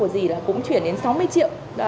của dì là cũng chuyển đến sáu mươi triệu